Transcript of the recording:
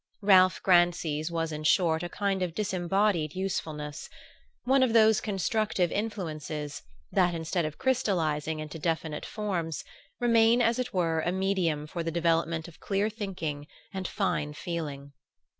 Ralph Grancy's was in short a kind of disembodied usefulness: one of those constructive influences that, instead of crystallizing into definite forms, remain as it were a medium for the development of clear thinking and fine feeling.